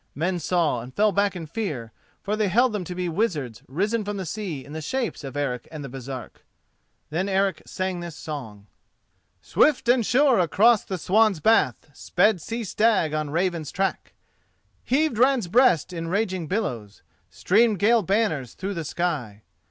Men saw and fell back in fear, for they held them to be wizards risen from the sea in the shapes of Eric and the Baresark. Then Eric sang this song: "Swift and sure across the Swan's Bath Sped Sea stag on Raven's track, Heav'd Ran's breast in raging billows, Stream'd gale banners through the sky!